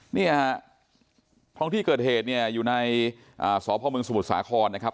เนี่ยฮะท้องที่เกิดเหตุเนี่ยอยู่ในสพมสมุทรสาครนะครับ